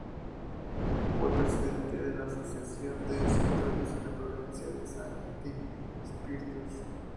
Fue presidente de la Asociación de Escritores en la provincia de Sancti Spíritus.